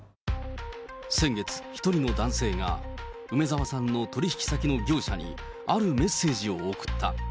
先月、１人の男性が梅澤さんの取り引き先の業者にあるメッセージを送った。